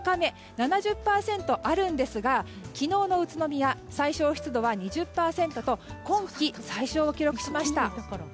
７０％あるんですが昨日の宇都宮は最小湿度は２０％と今季最小を記録しました。